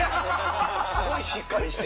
すごいしっかりして。